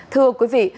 thưa quý vị